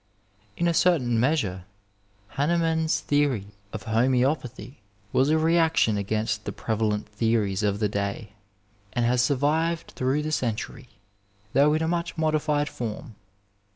In a certain measure Hahnemann's theory of homoeo pathy was a reaction against the prevalent theories of the day, and has survived through the century, though in a much modified form.